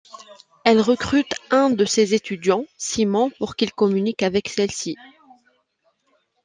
Elle recrute un de ses étudiants, Simon, pour qu’il communique avec celle-ci.